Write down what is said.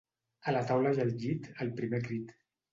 A la taula i al llit, al primer crit